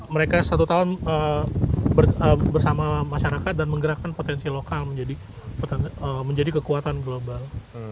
mereka satu tahun bersama masyarakat dan menggerakkan potensi lokal menjadi kekuatan global